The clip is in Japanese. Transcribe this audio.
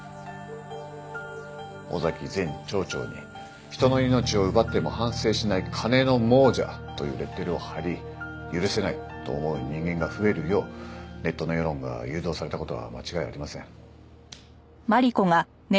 「尾崎前町長に人の命を奪っても反省しない金の亡者というレッテルを貼り許せないと思う人間が増えるようネットの世論が誘導された事は間違いありません」